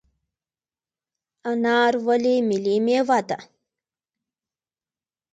انار ولې ملي میوه ده؟